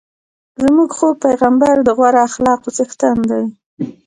زموږ خوږ پیغمبر د غوره اخلاقو څښتن دی.